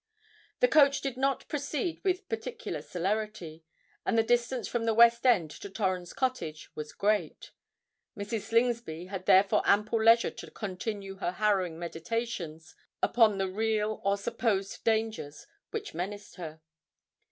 The coach did not proceed with particular celerity, and the distance from the West End to Torrens Cottage was great:—Mrs. Slingsby had therefore ample leisure to continue her harrowing meditations upon the real or supposed dangers which menaced her.